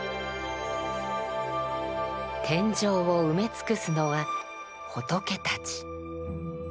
天井を埋め尽くすのは仏たち。